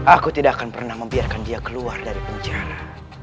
aku tidak akan pernah membiarkan dia keluar dari penjara